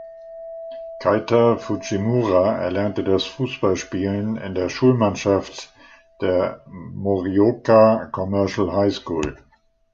Keita Fujimura erlernte das Fußballspielen in der Schulmannschaft der Morioka Commercial High School.